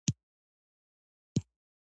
د غوښې خوراک د بدن د ودې لپاره لازمي دی.